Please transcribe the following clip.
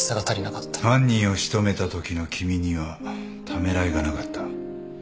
犯人を仕留めたときの君にはためらいがなかった。